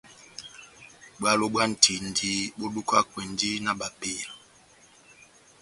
Bwalo bwa ntindi bó dukakwɛndi na bapeya.